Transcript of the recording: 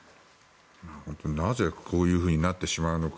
なぜこういうふうになってしまうのか。